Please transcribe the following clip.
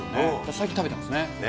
最近食べてますね。